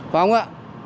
phải không ạ